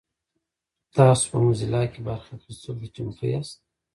تاسو په موزیلا کې برخه اخیستلو ته چمتو یاست؟